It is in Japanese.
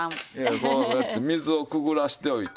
こうやって水をくぐらせておいて。